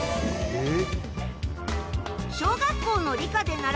えっ！